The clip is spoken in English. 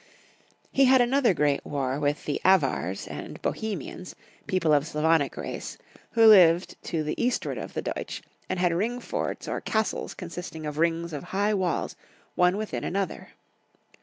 j^ He had another great war with the Avars and a^gj^hemians, people of Slavonic race, who lived to Pay eastward of the Deutsch, and had ringforts or ^^tles consisting of rings of high walls, one within Tdnother.